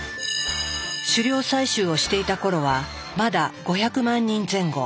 狩猟採集をしていた頃はまだ５００万人前後。